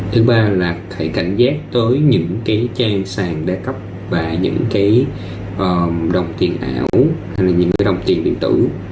thứ ba là phải cảnh giác tới những cái trang sàn đa cấp và những cái đồng tiền ảo hay là những cái đồng tiền điện tử